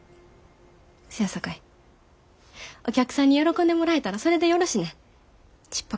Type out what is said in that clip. せやさかいお客さんに喜んでもらえたらそれでよろしねん。